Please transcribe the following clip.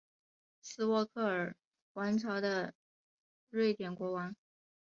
斯渥克尔王朝的瑞典国王。